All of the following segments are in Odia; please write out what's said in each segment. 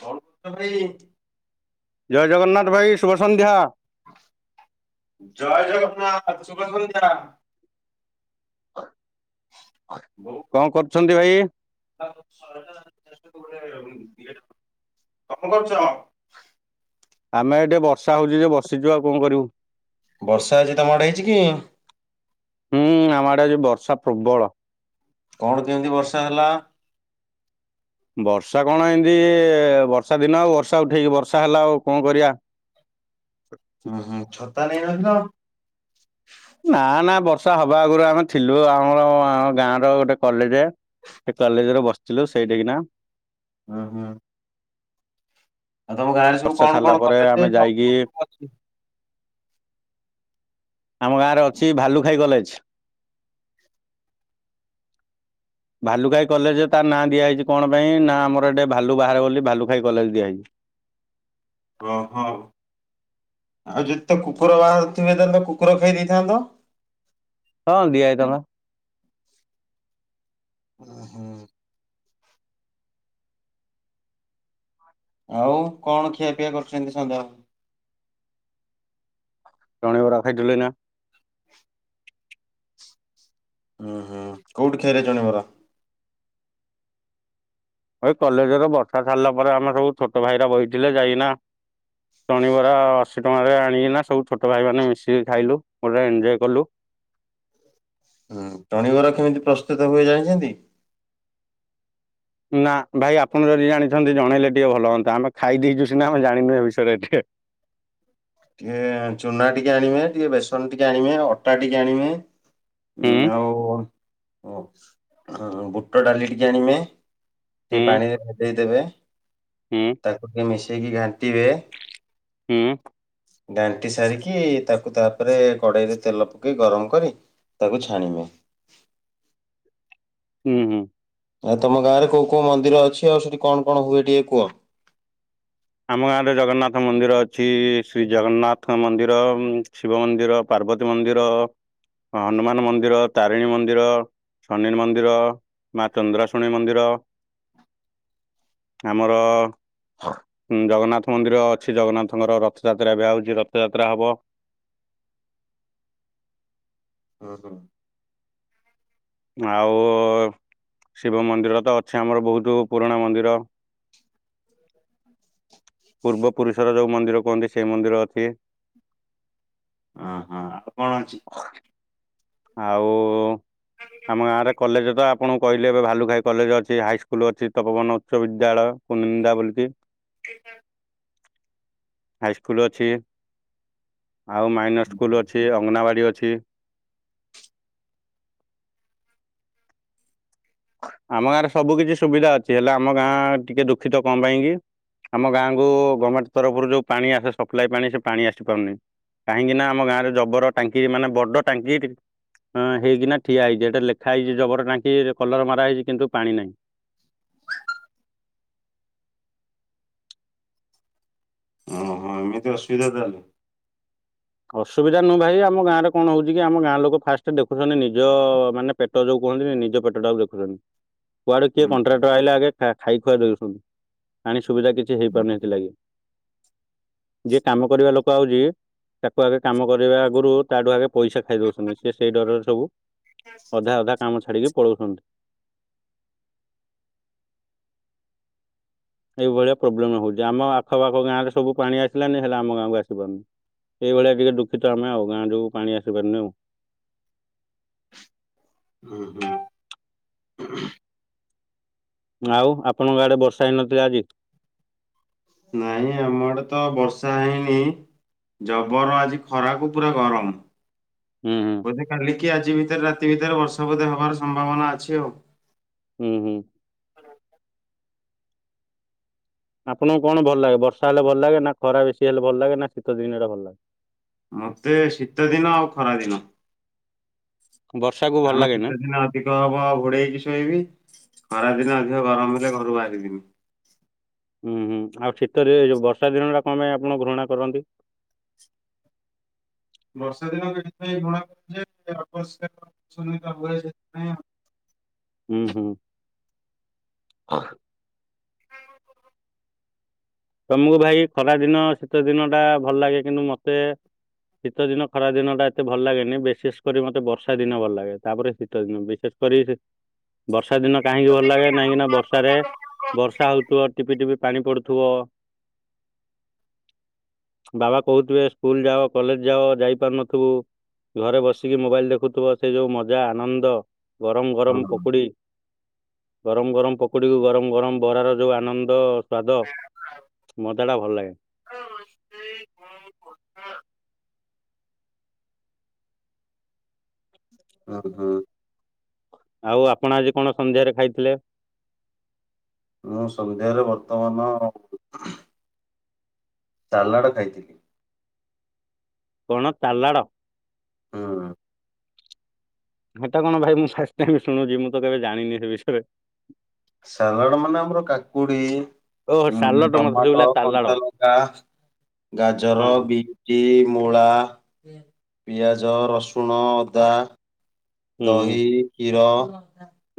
କଣ କରୁଚରେ। ଜୟ ଜଗନ୍ନାଥ ଭାଇ ଶୁଭ ସନ୍ଧ୍ୟା। ଜୟ ଜଗନ୍ନାଥ ଶୁଭସନ୍ଧ୍ୟା। କଣ କରୁଚନ୍ତି ଭାଇ। [unintelligible] ଗପ କରୁଚ। ଆମେ ଏଠି ବର୍ଷା ହଉଚି ଯେ ବସିଚୁ ଆଉ କଣ କରିବୁ। ବର୍ଷା ଆଜି ତମଆଡେ ହେଇଛି କି? ହୁଁ ଆମ ଆଡେ ଆଜି ବର୍ଷା ପ୍ରବଳ। କଣ କେମିତି ବର୍ଷା ହେଲା। ବର୍ଷା କଣ ଏମିତି ବର୍ଷା ଦିନ ଆଉ ବର୍ଷା ଉଠେଇକି ବର୍ଷା ହେଲା ଆଉ କଣ କରିବା। [inaudible] ଉଁ ହୁଁ ଛତା ନେଇନଥିଲ। ନା ନା ବର୍ଷା ହବା ଆଗରୁ ଆମେ ଥିଲୁ ଆମର ଗାଁର ଗୋଟେ କଲେଜ। ସେ କଲେଜରେ ବସିଥିଲୁ ସେଇଠିକିନା। ଉଁ ହୁଁ। ଆଉ ତମ ଗାଁରେ ସବୁ ବର୍ଷା କଣ ସାରିଲା କଣ ପରେ କଲେଯେ ଆମେ କଣ ଯାଇକି କଣ ସବୁ ଅଛି। ଆମ ଗାଁରେ ଅଛି ଭାଲୁ ଖାଇ କଲେଜ। [inaudible] ଭାଲୁ ଖାଇ କଲେଜ ତା ନାଁ ଦିଆହେଇଛି। କଣ ପାଇଁ ନା ଆମର ଏଠି ଭାଲୁ ବାହାରେ ବୋଲି ଭାଲୁ ଖାଇ କଲେଜ ଦିଆହେଇଛି। [inaudible] ପ୍ରହ ଆଉ ଯେତେ କୁକୁର ବାହାରୁଥିବେ ତ କୁକୁର ଖାଇ ଦେଇଥାନ୍ତ। ହଁ ଦିଆହେଇଥାନ୍ତା। ଉଁ ହୁଁ। ଆଉ କଣ ଖିଆପିଆ କରିଚନ୍ତି ସନ୍ଦା ବାବୁ। ଜଣିଆ ବରା ଖାଇଥିଲୁ ଏଇନା। ଉୁଁ ହୁଁ କୋଉଠି ଖାଇଲେ ଜଣିଆ ବରା। ଏଇ କଲେଜରେ ବର୍ଷା ଛାଡିଲା ପରେ। ଆମର ସବୁ ଛୋଟ ଭାଇରା ବଇଥିଲେ ଯାଇକିନା ଚଣିବରା ଅଶୀ ଟଙ୍କାରେ ଆଣିକିନା ସବୁ ଛୋଟ ଭାଇ ମାନେ ମିଶିକି ଖାଇଲୁ ପୁରା ଏନଜୟ କଲୁ। [inaudible] ହୁଁ ଟଣିବରା କେମିତି ପ୍ରସ୍ତୁତ ହୁଏ ଜାଣିଛନ୍ତି। ନା ଭାଇ ଆପଣ ଯଦି ଜାଣିଛନ୍ତି ଜଣେଇଲେ ଟିକେ ଭଲ ହୁଅନ୍ତା। ଆମେ ଖାଇ ଦେଇଛୁ ସିନା ଆମେ ଜାଣିନୁ ଏ ବିଷୟରେ ଟିକେ। [inaudible] ଟିକେ ଚୁନା ଟିକେ ଆଣିମେ ଟିକେ ବେସନ ଟିକେ ଆଣିମେ ଅଟା ଟିକେ ଆଣିମେ। ହୁଁ ଉଁ ଆଉ ଅଁ ବୁଟ ଡାଲି ଟିକେ ଆଣିମେ। ହୁଁ ଟିକେ ପାଣିରେ ଭେଦେଇଦେବେ। ହୁଁ ତାକୁ ଟିକେ ମିଶେଇକି ଘାଣ୍ଟିବେ। ହୁଁ। ଗାଣ୍ଟି ସାରିକି ତାକୁ ତାପରେ କଡେଇରେ ତେଲ ପକେଇ ଗରମ କରି। ତାକୁ ଛାଣିମେ। ଉଁ ହୁଁ। ଆ ତମ ଗାଁ ରେ କୋଉ କୋଉ ମନ୍ଦିର ଅଛି। ଆଉ ସେଠି କଣ କଣ ହୁଏ ଟିକେ କୁହ। ଆମ ଗାଁ ରେ ଜଗନ୍ନାଥ ମନ୍ଦିର ଅଛି। ଶ୍ରୀ ଜଗନ୍ନାଥ ମନ୍ଦି ର ଶିବ ମନ୍ଦିର ପାର୍ବତୀ ମନ୍ଦିର। ହନୁମାନ ମନ୍ଦିର ତାରିଣୀ ମନ୍ଦିର। ସନିନ ମନ୍ଦିର ମା ଚନ୍ଦ୍ରାଶୁଣୀ ମନ୍ଦିର। ଆମର ଉଁ ଜଗନ୍ନାଥ ମନ୍ଦିର ଅଛି। ଜଗନ୍ନାଥଙ୍କର ରଥଯାତ୍ରା ଏବେ ଆଉଛି ରଥଯାତ୍ରା ହବ। [inaudible] ହ ହଁ। ଆଉ ଶିବ ମନ୍ଦିର ତ ଅଛି ଆମର ବହୁତ୍ ପୁରୁଣା ମନ୍ଦିର। [unintelligible] ପୂର୍ବ ପୁରୁଷର ଯେଉଁ ମନ୍ଦିର କୁହନ୍ତି ସେହି ମନ୍ଦିର ଅଛି। ଆଁ ହଁ ଆଉ କଣ ଅଛି? ଆଉ ଆମ ଗାଁରେ କଲେଜେ ତ ଆପଣ କହିଲେ ଏବେ ଭାଲୁ ଖାଇ କଲେଜ ଅଛି ହାଇସ୍ ସ୍କୁଲ୍ ଅଛି ତପୋବନ ଉଚ୍ଚ ବିଦ୍ୟାଳୟ। କୁନିନ୍ଦା ବୋଲି କି। ହାଇ ସ୍କୁଲ ଅଛି ଆଉ ମାଇନର ସ୍କୁଲ ଅଛି ଅଙ୍ଗନୱାଡି ଅଛି। ଅଛି। ଆମ ଗାଁରେ ସବୁ କିଛି ସୁବିଧା ଅଛି ହେଲେ ଆମ ଗାଁ ଟିକେ ଦୁଃଖିତ କଣ ପାଇଁ କିି। ଆମ ଗାଁକୁ ଗାମେଣ୍ଟେ ତରଫରୁ ଯୋଉ ପାଣି ଆସେ ସପ୍ଲାଏ ପାଣି ସେ ପାଣି ଆସି ପାରୁନି। କାହିଁକି ନା ଆମ ଗାଁରେ ଜବର ଟାଙ୍କି ମାନେ ବଡ ଟାଙ୍କି ହଁ ହେଇକିନା ଠିଆ ହେଇଛି ଏଇଟା ଲେଖା ହେଇଛି ଜବର ଟାଙ୍କି କଲର ମରା ହେଇଛି କିନ୍ତୁ ପାଣି ନାହିଁ। ଓଃ ହୋ ଏମିତି ଅସୁବିଧା ତାହଲେ। ଅସୁବିଧା ନୁ ଭାଇ ଆମ ଗାଁରେ କଣ ହଉଛି କି ଆମ ଗାଁ ଲୋକ ଫାଷ୍ଟେ ଦେଖୁଛନ୍ତି ନିଜ ମାନେ ପେଟ ଯୋଉ କୁହନ୍ତିନି ନିଜ ପେଟଟାକୁ ଦେଖୁଛନ୍ତି କୁଆଡ଼େ କିଏ ହୁଁ କଣ୍ଟ୍ରାକ୍ଟର ଆଇଲେ ଆଗେ ଖାଇ ଖୁଆ ଦେଉଛନ୍ତି। ପାଣି ସୁବିଧା କିଛି ହେଇପାରୁନି ହେଥିଲାଗି ଯିଏ କାମ କରିବା ଲୋକ ଆଉଛି ତାକୁ ଆଗେ କାମ କରିବା ଆଗରୁ ତାଠୁ ଆଗେ ପଇସା ଖାଇ ଦୋଉଛନ୍ତି ସେ ସେଇ ଡରରେ ସବୁ ଅଧା ଅଧା କାମ ଛାଡିକି ପଳଉଛନ୍ତି। [inaudible] ଏଇ ଭଳିଆ ପ୍ରୋବ୍ଲେମ ହୋଉଚି ଆମ ଆଖପଖ ଗାଁ ରେ ସବୁ ପାଣି ଆସିଲାନି ହେଲେ ଆମ ଗାଁକୁ ଆସିପାରୁନି। ଏଇଭଳିଆ ଟିକେ ଦୁଃଖିତ ଆମେ ଆଉ ଗାଁ ଯୋଉ ପାଣି ଆସିପାରୁନି ଆଉ। [unintelligible] ଆଉ ଆପଣଙ୍କ ଆଡେ ବର୍ଷା ହେଇନଥିଲା ଆଜି? ନାଇଁ ଆମ ଆଡେ ତ ବର୍ଷା ହେଇନି ଜବର ଆଜି ଖରାକୁୁ ପୁରା ଗରମ୍। ହୁଁ ହୁଁ ବୋଧେ କାଲି କି ଆଜି ଭିତରେ ରାତି ଭିତରେ ବର୍ଷା ବୋଧେ ହବାର ସମ୍ଭାବନା ଅଛି ଆଉ। ହୁଁ ହୁଁ। ଆପଣଙ୍କୁ କଣ ଭଲ ଲାଗେ ବର୍ଷା ହେଲେ ଭଲ ଲାଗେ ନା ଖରା ବେଶୀ ହେଲେ ଭଲ ଲାଗେ ନା ଶୀତ ଦିନ ଟା ଭଲ ଲାଗେ? ମତେ ଶୀତ ଦିନ ଆଉ ଖରା ଦିନ। ବର୍ଷାକୁ ଭଲ କାରଣ ଲାଗେ ନା? ଶୀତ ଦିନେ ଶୀତ ଅଧିକ ହବ ଆଉ ଘୋଡ଼େଇ ହେଇକି ଶୋଇବି ଖରା ଦିନେ ଅଧିକ ଗରମ ହେଲେ ଘରୁ ବାହାରିିବିନି। ହୁଁ ହୁଁ ଆଉ ଶୀତରେ ଯୋଉ ବର୍ଷା ଦିନ ଟା କଣ ପାଇଁ ଆପଣ ଘୃଣା କରନ୍ତି? [inaudible] ବର୍ଷା ଦିନ ଏଥିପାଇଁ ଘୃଣା କର ଯେ ଅପରିଷ୍କାର ହୁଏ ସେଥିପାଇଁ। [unintelligible] [unintelligible] ତମକୁ ଭାଇ ଖରା ଦିନ ଶୀତ ଦିନ ଟା ଭଲ ଲାଗେ କିନ୍ତୁ ମତେ ଶୀତ ଦିନ ଖରା ଦିନ ଟା ଏତେ ଭଲ ଲାଗେନି ବିଶେଷ କରି ମତେ ବର୍ଷା ଦିନ ଭଲ ଲାଗେ ତାପରେ ଶୀତ ଦିନ ବିଶେଷ କରି ବର୍ଷା ଦିନ କାହିଁକି ଭଲ ଲାଗେ କାହିଁକିନା ବର୍ଷାରେ ବର୍ଷା ହୋଉଥିବ ଟିପି ଟିପି ପାଣି ପଡ଼ୁଥିବ [inaudible] ବାବା କହୁଥିବେ ସ୍କୁଲ୍ ଯାଅ କଲେଜ୍ ଯାଅ ଯାଇପାରୁନଥିବୁ। ଘରେ ବସିକି ମୋବାଇଲ୍ ଦେଖୁଥିବ ସେ ଯୋଉ ମଜା ଆନନ୍ଦ ଗରମ ଗରମ ହଁ। ପକୁଡ଼ି ଗରମ ଗରମ ପକୁଡ଼ିକୁ ଗରମ ଗରମ ବରାର ଯୋଉ ଆନନ୍ଦ ସ୍ୱାଦ [unintelligible] [unintelligible] ଆଉ ଆପଣ ଆଜି କଣ ସନ୍ଧ୍ୟାରେ ଖାଇଥିଲେ? ମୁଁ ସନ୍ଧ୍ୟାରେ ବର୍ତ୍ତମାନ ଚାଲାଡ଼ ଖାଇଥିଲି। କଣ ତାଲାଡ଼? ହୁଁ। ହେଟା କଣ ଭାଇ ମୁଁ ଫାଷ୍ଟ ଟାଇମି ଶୁଣୁଚି ମୁଁ ତ କେବେ ଜାଣିନି ସେ ବିଷୟରେ। ସାଲାଡ ମାନେ ଆମର କାକୁଡି ଓହୋ ଉଁ ସାଲଟ ମତେ ଟମାଟୋ, ଶୁଭିଲା ତାଲାଡ କଞ୍ଚା ଲଙ୍କା, ଗାଜର, ହଁ ହଁ ବିଟି ମୂଳା, ପିଆଜ, ରସୁଣ, ଅଦା। ହୁଁ ଦହି, କ୍ଷୀର।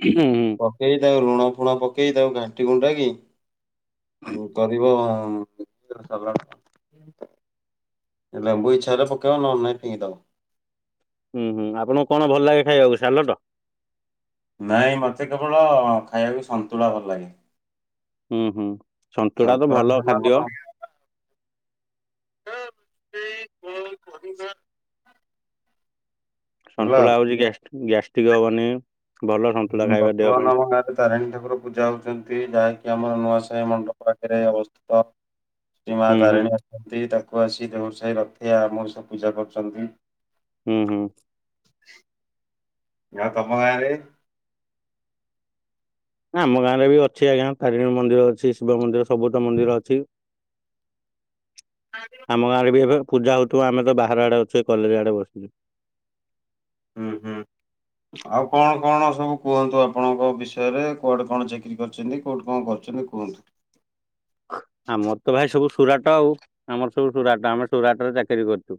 ହୁଁ ହୁଁ। ପକେଇ ତାକୁ ଲୁଣ ଫୁଣ ପକେଇ ତାକୁ ଘାଣ୍ଟି ଘୁଣ୍ଟାକି ଉଁ-କରିବ ହଁ ସେଟା ସାଲାଡ କହନ୍ତି। ଲେମ୍ବୁ ଇଛା ହେଲେ ପକେଇବ ନହେଲେ ନାଇଁ ଫିଙ୍ଗଦବ। ହୁଁ ହୁଁ ଆପଣଙ୍କୁ କଣ ଭଲଲାଗେ ଖାଇବାକୁ ସାଲଟ? ନାଇଁ ମତେ କେବଳ ଖାଇବାକୁ ସନ୍ତୁଳା ଭଲଲାଗେ? ହୁଁ ହୁଁ ସନ୍ତୁଳା ତ ଭଲ ଖାଇଲେ ଆମର ଖାଦ୍ୟ। ହେଲା ଏଇ କଣ କହିବା? ସନ୍ତୁଳା ହୋଉଚି ଗାଷ୍ଟି-ଗ୍ୟାଷ୍ଟ୍ରିକ୍ ହବନି। ଭଲ ସନ୍ତୁଳା ଫୁଣି ଖାଇବା ଦେହ ପାଇଁ ବର୍ତ୍ତମାନ ଆମ ଗାଁରେ ତାରିଣୀ ଠାକୁର ପୂଜା ହୋଉଚନ୍ତି ଯାହାକି ଏ ଆମର ନୂଆ ସାହି ମଣ୍ଡପ ପାଖରେ ଅବସ୍ଥିତ ଶ୍ରୀ ହୁଁ ହୁଁ ମାତାରିଣୀ ଅଛନ୍ତି ତା କୁ ଆସି ଦେହୁରୁ ସାହି ରଥିଆ ମଉସା ପୂଜା କରୁଛନ୍ତି। ହୁଁ ହୁଁ। ଯାହୋଉ ତମ ଗାଁରେ ଆମ ଗାଁରେ ବି ଅଛି ଆଜ୍ଞା ତାରିଣୀ ମନ୍ଦିର ଅଛି, ଶିବ ମନ୍ଦିର, ସବୁ ତ ମନ୍ଦିର ଅଛି। ଆମ ଗାଁରେ ବି ଏବେ ପୂଜା ହୋଉଥୁବ ଆମେ ତ ବାହାର ଆଡେ ଅ ସେ କଲେଜ ଆଡେ ବସିିଥିଲୁ। ହୁଁ ହୁଁ ଆଉ କଣ କଣ ସବୁ କୁହନ୍ତୁ ଆପଣଙ୍କ ବିଷୟରେ କୁଆଡେ କଣ ଚାକିରି କରଚନ୍ତି କୋଉଠି କଣ କରୁଚନ୍ତି କୁହ? [inaudible] ଆମର ତ ଭାଇ ସବୁ ସୁରାଟ ଆଉ ଆମର ସବୁ ସୁରାଟ ଆମେ ସୁରାଟରେ ଚାକିରି କରିଚୁ।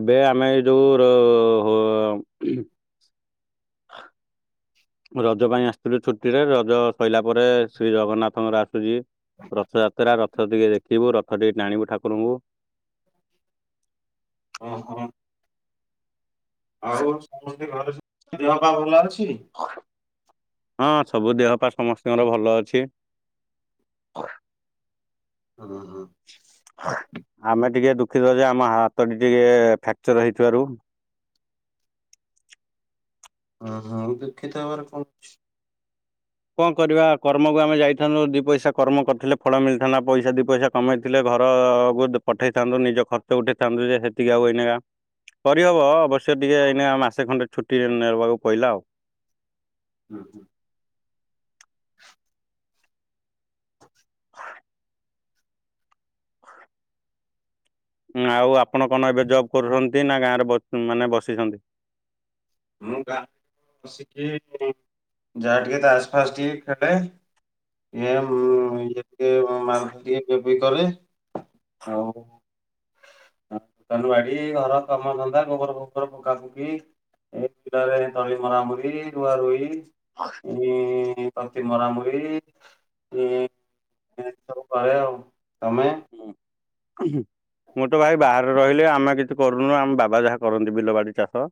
ଏବେ ଆମେ ଏଇ ଯୋଉ ର-ହ ହ [inaudible] ରଜ ପାଇଁ ଆସଥିଲୁ ଛୁଟିରେ ରଜ ସଇଲା ପରେ ଶ୍ରୀ ଜଗନ୍ନାଥଙ୍କର ଆସୁଚି। ରଥଯାତ୍ରା ର ରଥ ଟିକେ ଦେଖିବୁ, ରଥ ଟିକେ ଟାଣିବୁ ଠାକୁରଙ୍କୁ। ଓହ। ଆଉ ସମସ୍ତେ ଘରେ ସବୁ ଦେହପା ଭଲଅଛି? ହଁ ସବୁ ଦେହପା ସମସ୍ତିଙ୍କର ଭଲଅଛି। ଓ ହଁ। ଆମେ ଟିକେ ଦୁଃଖିତ ଯେ ଆମ ହାତଟି ଟିକେ ଫ୍ରାକ୍ଚର ହେଇଥିବାରୁ। ଓ ହଁ ଦୁଃଖିତ ହେବାର କଣ ଅଛି? କଣ କରିବା କର୍ମକୁ ଆମେ ଯାଇଥାନ୍ତୁ ଦି ପଇସା କର୍ମ କରିଥିଲେ ଫଳ ମିଳିଥାନ୍ତା ପଇସା ଦିପଇସା କମେଇଥିଲେ ଘ ଘରକୁ ଦି-ପଠେଇଥାନ୍ତୁ ନିଜ ଖର୍ଚ୍ଚ ଉଠେଇଥାନ୍ତୁ ଯେ ସେତିକି ଆଉ ଏଇନାକା କରିହବ ଅବଶ୍ୟ ଟିକେ ଏଇନା ମାସେ ଖଣ୍ଡେ ଛୁଟିରେ ନେ-ରହିବାକୁ ପଇଲା ଆଉ। ଉଁହୁଁ। ହ [inaudible] ହୁଁ ଆଉ ଆପଣ କଣ ଏବେ ଜବ୍ କରୁଛନ୍ତି ନା ଗାଁରେ ବ-ମାନେ ବସିଛନ୍ତି? ମୁଁ ଗାଁରେ ତ ବସିଚି ଇ ଯାହା ଟିକେ ତାସଫାଶ ଟିକେ ଖଳେ। ଇଏ ଉଁ-ଇଏ [unintelligible] ଟିଏ କେବେ କରେ ଆଉ ଲୁ ବାଡି ଘର କାମ ଧନ୍ଧା ଗୋବର ଫୋବର ପକା ପକି ବିଲରେ ତଳି ମରାମରି ରୁଆ ରୁଇ ଇ ପାତି ମରାମରି ଇ ଇ ସବୁ କରେ ତମେ? ମୁଁ ତ ଭାଇ ବାହାରେ ରହିଲେ ଆମେ କିଛି କିଛି କରୁନୁ ଆମ ବାବା ଯାହା କରନ୍ତି ବିଲ ବାଡି ଚାଷ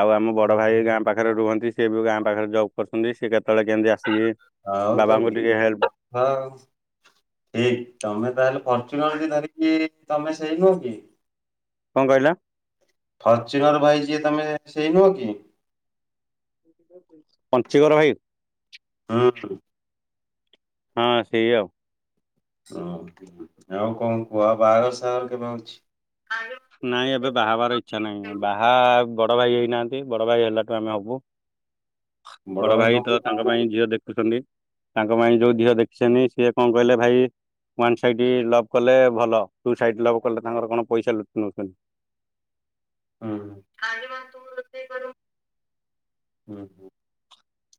ଆଉ ଆମ ବଡ ଭାଇ ଗାଁ ପାଖରେ ରୁହନ୍ତି। ସେ ଗାଁ ପାଖରେ ଜବ୍ କରୁଛନ୍ତି ସେ କେ ତଳେ କେମିତି ଆସିକି ଆଉ ତ ବାବାଙ୍କୁ ଟିକେ ବିଭା ହେଲ୍ପ ଠିକ ତମେ ତାହେଲେ ଫର୍ଚୁନର ଯ ଧରିକି ତମେ ସେଇ ନୁହ କି? କଣ କହିଲ? ଫର୍ଚୁନର ଭାଇ ଯିଏ ତମେ ସେଇ ନୁହ କି? ପଞ୍ଚିଗର ଭାଇ। ହଁ। ହଁ ସେଇ ଆଉ। ଓ ଆଉ କଣ କୁହ ବାହାଘର ସାଘର କେବେ ଅଛି? ନାଇଁ ଏବେ ବାହା ହେବାର ଇଛା ନାହିଁ ବାହା ବଡ ଭାଇ ହେଇନାହାନ୍ତି ବଡ ଭାଇ ହେଲାଠୁ ଆମେ ହବୁ। ବଡ ଭାଇ ତ ତାଙ୍କ ପାଇଁ ଝିଅ ଦେଖୁଛନ୍ତି। ତାଙ୍କ ପାଇଁ ଯୋଉ ଦିଅ ଦେଖିସେନି ସିଏ କଣ କହିଲେ ଭାଇ ୱାନ୍ ସାଇଡ୍ ଲଭ୍ କଲେ ଭଲ ଟୁ ସାଇଡ ଲଭ୍ କଲେ ତାଙ୍କର କଣ ପଇସା ଲୁଟି ନଉଛନ୍ତି। [inaudible] ହୁଁ। ହୁଁ ହୁଁ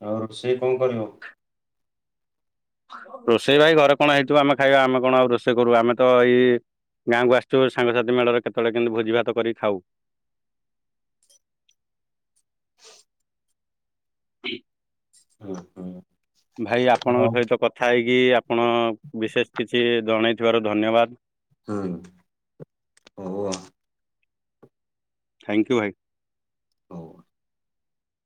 ଆଉ ସେ କଣ କରିବ? ରୋଷେଇ ଭାଇ ଘରେ କଣ ହେଇଥିବ ଆମେ ଖାଇବା ଆମେ କଣ ଆଉ ରୋଷେଇ କରୁ ଆମେ ତ ଏଇ ଗାଁକୁ ଆସିଛୁ ସାଙ୍ଗସାଥି ମେଳରେ କେତେବେଳେ କେମିତି ଭୋଜି ଭାତ କରି ଖାଉ। [inaudible] [inaudible] ଠିକ ହୁଁ ହୁଁ। ଭାଇ ଆପଣଙ୍କ ସହିତ କଥା ହେଇକି କି ଆପଣ ବିଶେଷ କିଛି ଜଣେଇଥିବାରୁ ଧନ୍ୟବାଦ। ହୁଁ ଓହୋ। ଥ୍ୟାଙ୍କୟୁ ଭାଇ। ହଉ।